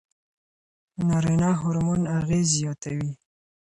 نارینه هورمون اغېز زیاتوي.